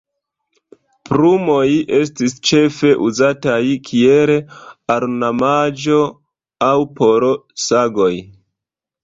Plumoj estis ĉefe uzataj kiel ornamaĵo aŭ por sagoj.